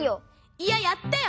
いややったよ！